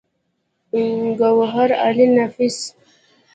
ګوهرعلي نفيس